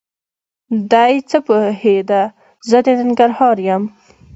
دی څه پوهېده زه د ننګرهار یم؟!